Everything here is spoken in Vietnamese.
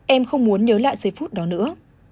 em không muốn nhớ lại giây phút đó nữa